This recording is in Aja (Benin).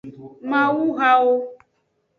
Mawuhawo.